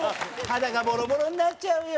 肌がボロボロになっちゃうよ。